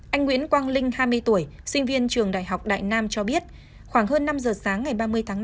anh nguyễn quang linh hai mươi tuổi sinh viên trường đại học đại nam cho biết khoảng hơn năm giờ sáng ngày ba mươi tháng năm